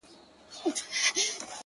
په مټي چي خان وكړی خرابات په دغه ښار كي ـ